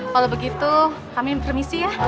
kalau begitu kami permisi ya